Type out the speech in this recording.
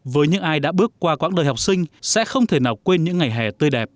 với những ai đã bước qua quãng đời học sinh sẽ không thể nào quên những ngày hè tươi đẹp